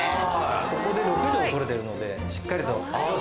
ここで６帖取れてるのでしっかりと。